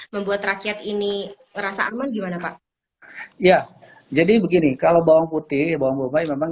membuat rakyat ini ngerasa aman gimana pak ya jadi begini kalau bawang putih bawang bombay memang